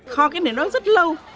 kho cái này nó rất lâu